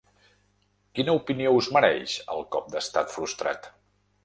Quina opinió us mereix el cop d’estat frustrat?